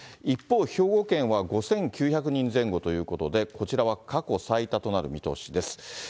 一方、兵庫県は５９００人前後ということで、こちらは過去最多となる見通しです。